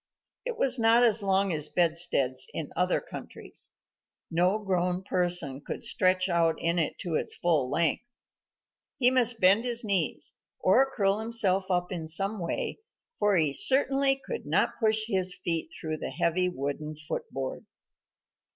It was not as long as bedsteads in other countries. No grown person could stretch out in it to his full length. He must bend his knees, or curl himself up in some way, for he certainly could not push his feet through the heavy wooden foot board.